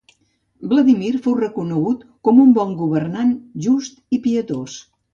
Vladímir fou reconegut com un bon governant, just i pietós.